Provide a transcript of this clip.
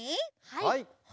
はい。